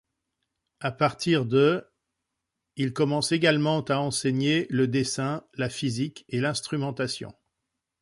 À partir d', il commence également à enseigner le dessin, la physique et l'instrumentation.